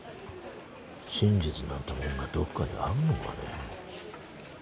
真実なんてもんがどっかにあるのかね？